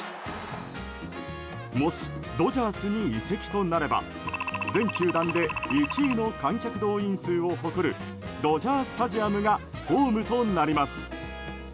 もし、ドジャースに移籍となれば全球団で１位の観客動員数を誇るドジャー・スタジアムがホームとなります。